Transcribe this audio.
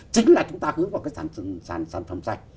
chính là chúng ta hướng vào cái sản xuất sản phẩm sạch